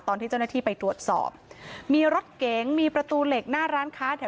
ตอนที่เจ้าหน้าที่ไปตรวจสอบมีรถเก๋งมีประตูเหล็กหน้าร้านค้าแถว